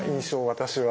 私は。